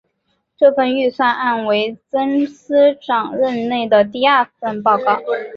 该份预算案为曾司长任内的第二份报告。